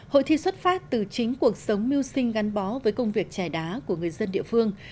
hội thi xuất phát từ chính cuộc sống mưu sinh gắn bó với công việc trẻ đá của người dân địa phương